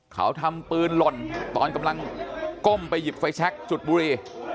เขาทำปืนหล่นตอนกำลังก้มไปหยิบไฟแชคจุดบุรี